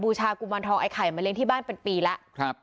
ชากุมารทองไอ้ไข่มาเลี้ยที่บ้านเป็นปีแล้วครับ